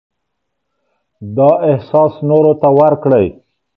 دا احساس نورو ته ورکړئ.